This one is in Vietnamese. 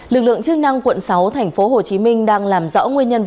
lực lượng chức năng quận sáu tp hcm đang làm rõ nguyên nhân